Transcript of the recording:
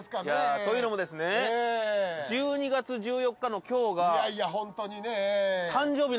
というのもですね１２月１４日の今日が誕生日なんですよ。